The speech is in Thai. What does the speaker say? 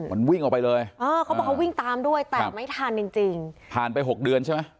มันวิ่งออกไปเลยเออเขาบอกเขาวิ่งตามด้วยแต่ไม่ทันจริงจริงผ่านไปหกเดือนใช่ไหม